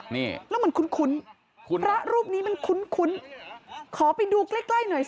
นี่แล้วมันคุ้นพระรูปนี้มันคุ้นขอไปดูใกล้